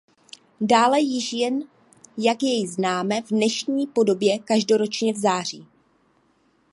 Dále již jen jak jej známe v dnešní podobě každoročně v září.